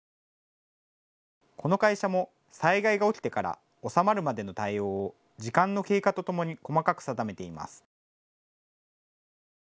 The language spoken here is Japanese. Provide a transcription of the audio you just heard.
この会社も災害が起きてから収まるまでの対応を時間の経過とともに細かく定めています。